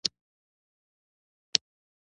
د فکري مبارزې له حقه برخمن دي.